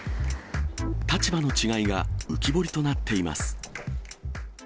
立場の違いが浮き彫りとなっています。